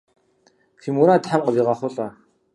Фи мурад тхьэм къывигъэхъулӏэ!